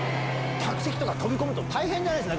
客席とか飛び込むと大変じゃないですか？